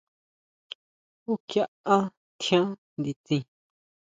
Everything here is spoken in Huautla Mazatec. ¿Jú kjiʼá tjián nditsin?